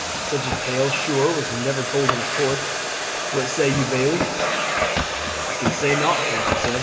Such a tale, sure, was never told in a court. What say you, bailie?" "I can say nought," Andrew said.